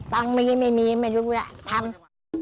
ตังค์มีไม่มีไม่รู้แล้วทำ